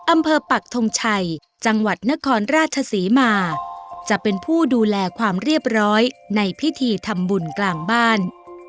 ปักทงชัยจังหวัดนครราชศรีมาจะเป็นผู้ดูแลความเรียบร้อยในพิธีทำบุญกลางบ้าน